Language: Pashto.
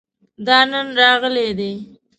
دا نن راغلی دی